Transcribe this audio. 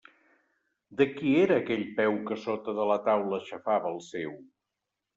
De qui era aquell peu que sota de la taula xafava el seu?